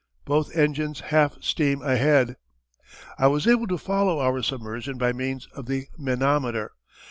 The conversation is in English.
"Both engines half steam ahead!" I was able to follow our submersion by means of the manometer.